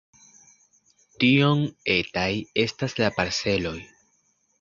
Tiom etaj estas la parceloj!